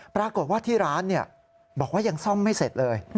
ปรากฏว่าที่ร้านบอกว่ายังซ่อมไม่เสร็จเลย